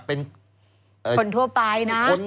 เป็นคนทั่วไปนะ